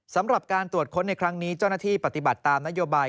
สำหรับการตรวจค้นในครั้งนี้เจ้าหน้าที่ปฏิบัติตามนโยบาย